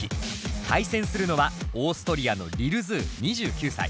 対戦するのはオーストリアのＬｉｌＺｏｏ２９歳。